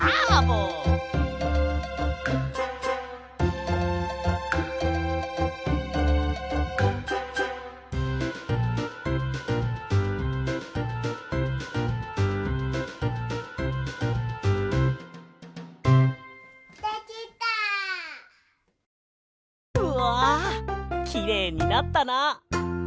うわきれいになったな！